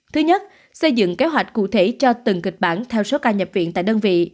thứ nhất xây dựng kế hoạch cụ thể cho từng kịch bản theo số ca nhập viện tại đơn vị